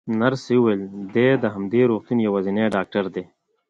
نرسې وویل: دی د همدې روغتون یوازینی ډاکټر دی.